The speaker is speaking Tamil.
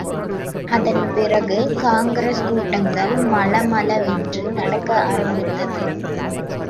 அதன்பிறகு காங்கிரஸ் கூட்டங்கள் மளமளவென்று நடக்க ஆரம்பித்தது.